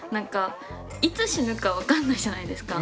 いつ死ぬか分かんないじゃないですか。